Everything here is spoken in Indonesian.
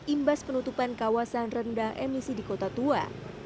imbas penutupan kawasan rendah emisi di kota tua